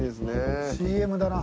ＣＭだな。